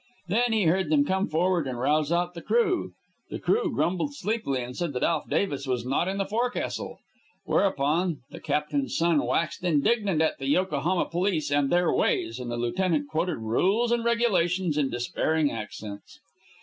Then he heard them come forward and rouse out the crew. The crew grumbled sleepily and said that Alf Davis was not in the forecastle; whereupon the captain's son waxed indignant at the Yokohama police and their ways, and the lieutenant quoted rules and regulations in despairing accents.